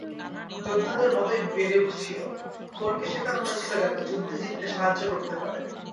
যোদ্ধাদের মতোই বেড়ে উঠছিল, থরকে শেখানো হয়েছিল যাতে যুদ্ধে জিততে সাহায্য করতে পারে।